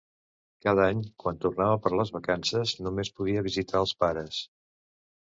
Cada any, quan tornava per les vacances, només podia visitar els pares.